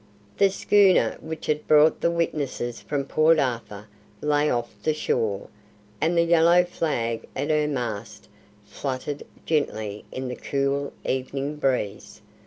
The schooner which had brought the witnesses from Port Arthur lay off the shore, and the yellow flag at her mast fluttered gently in the cool evening breeze.